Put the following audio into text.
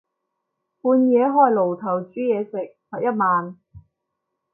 半夜開爐頭煮嘢食，罰一萬